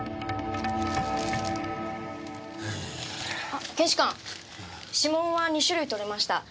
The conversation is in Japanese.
あっ検視官指紋は２種類採れました。